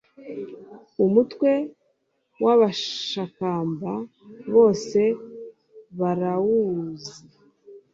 umutwe w'abashakamba bose barawuzi